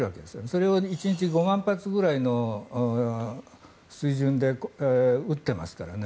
それを１日５万発ぐらいの水準で撃ってますからね。